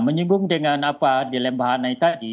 terhubung dengan apa di lembah hanai tadi